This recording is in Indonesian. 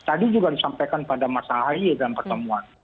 tadi juga disampaikan pada masa ahy dalam pertemuan